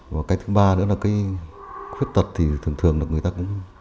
và cái thứ ba nữa là cái khuyết tật thì thường thường là người ta cũng